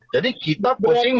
jadi kita harus berhati hati